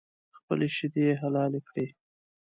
خپلې شیدې یې حلالې کړې